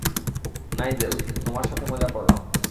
Nigel, তোমার সাথে মজা করলাম।